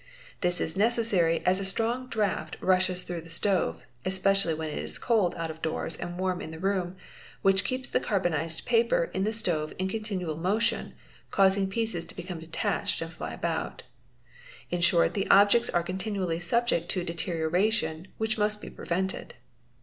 This is necessary, as a strong draft rushes through the stove—especially when it is cold out of _ doors and warm in the room—which keeps the carbonised paper in the stove in continual motion causing pieces to become detached and fly ~ about. In short the objects are continually subject to a deterioration which must be prevented.